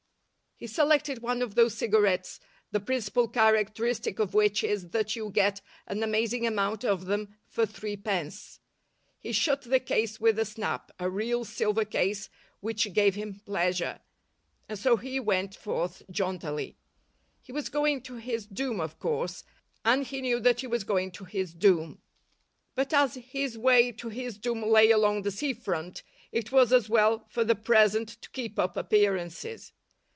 He selected one of those cigarettes the principal characteristic of which is that you get an amazing amount of them for threepence. He shut the case with a snap a real silver case which gave him pleasure and so he went forth jauntily. He was going to his doom, of course, and he knew that he was going to his doom. But as his way to his doom lay along the sea front, it was as well for the present to keep up appearances.